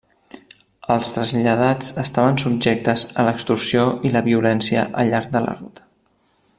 Els traslladats estaven subjectes a l'extorsió i la violència al llarg de la ruta.